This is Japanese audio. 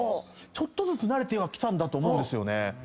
ちょっとずつ慣れてはきたんだと思うんです。